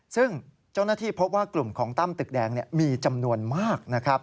ซึ่งเจ้าหน้าที่พบว่ากลุ่มของตั้มตึกแดงมีจำนวนมากนะครับ